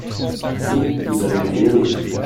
vous, vous avez été aimé.